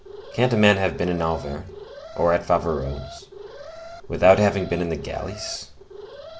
can't a man have been in Auvergne, or at Faverolles, without having been in the galleys?